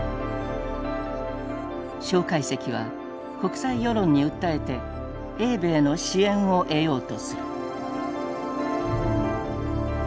蒋介石は国際世論に訴えて英米の支援を得ようとする。